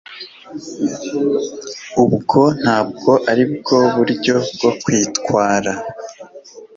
ubwo ntabwo aribwo buryo bwo kwitwara